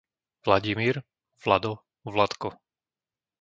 Vladimír, Vlado, Vladko